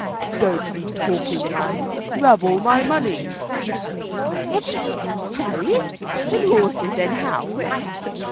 "Don't be talking, man: you have all my money." "Haven't you chariot and horses and hounds?"